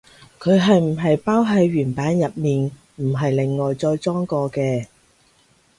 佢係唔係包喺原版入面，唔係另外再裝過嘅？